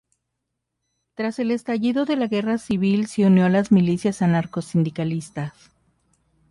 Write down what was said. Tras el estallido de la Guerra Civil se unió a las milicias anarcosindicalistas.